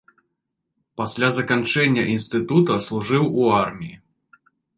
Пасля заканчэння інстытута служыў у арміі.